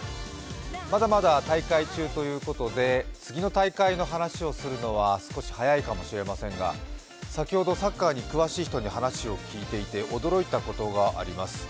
まだまだ大会中ということで、次の大会の話をするのは少し早いかもしれませんが、先ほどサッカーに詳しい人に話を聞いていて驚いたことがあります。